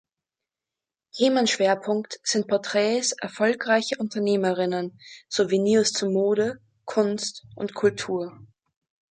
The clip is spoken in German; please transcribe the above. Themenschwerpunkt sind Porträts erfolgreicher Unternehmerinnen sowie News zu Mode, Kunst und Kultur.